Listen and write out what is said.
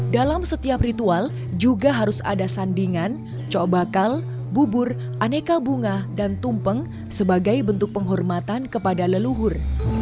dalam setiap ritual juga harus ada sandingan cok bakal bubur aneka bunga dan tumpeng sebagai bentuk penghormatan kepada leluhur